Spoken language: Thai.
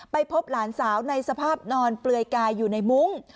พบหลานสาวในสภาพนอนเปลือยกายอยู่ในมุ้ง